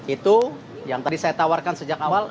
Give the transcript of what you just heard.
itu yang tadi saya tawarkan sejak awal